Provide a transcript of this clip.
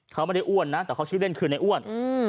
เขาไม่ใช่อ้วนแต่เขาชื่อเล่นให้คือนายอ้วน